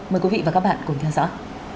mời quý vị và các bạn cùng theo dõi